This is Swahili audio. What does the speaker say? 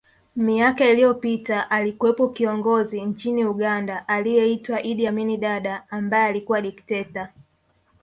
Miaka iliyopita alikuwepo kiongozi nchini Uganda aliyeitwa Idd Amin Dada ambaye alikuwa dikteta